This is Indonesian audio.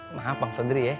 maaf bang sodri ya